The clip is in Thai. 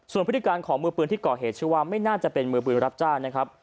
ส่วนพฤติการของมือปืนที่ก่อเหตุชื่อว่าไม่น่าจะเป็นมือปืนรับจ้างนะครับ